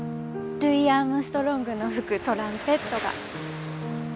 ルイ・アームストロングの吹くトランペットが。